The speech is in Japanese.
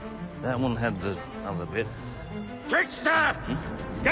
ん？